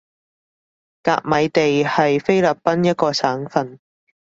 甲米地係菲律賓一個省份